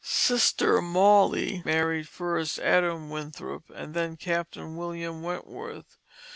Sister Molly married first Adam Winthrop and then Captain William Wentworth.